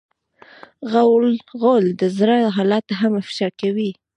غول د زړه حالت هم افشا کوي.